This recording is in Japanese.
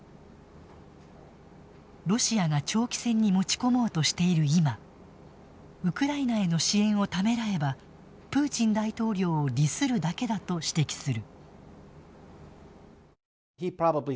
ロシアが長期戦に持ち込もうとしている今ウクライナへの支援をためらえばプーチン大統領を利するだけだと指摘する。